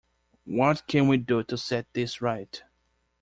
What can we do to set this right?